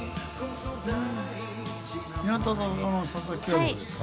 日向坂の佐々木はどうですか？